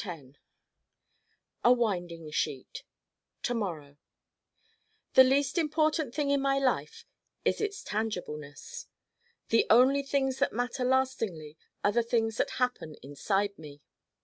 A winding sheet To morrow The least important thing in my life is its tangibleness. The only things that matter lastingly are the things that happen inside me.